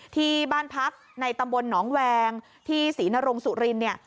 ที่บ้านพักในตำบลหนองแวงที่ศรีนรงสุรินเนี่ย